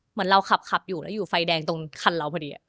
เหมือนเราขับอยู่แล้วอยู่ไฟแดงตรงคันเราพอดี